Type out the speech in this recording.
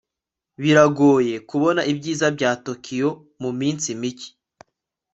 biragoye kubona ibyiza bya tokiyo muminsi mike